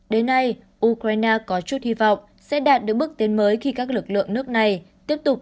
đến nay ukraine có chút hy vọng sẽ đạt được bước tiến mới khi các lực lượng nước này tiếp tục